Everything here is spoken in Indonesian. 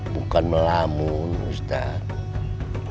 bukan melamun ustaz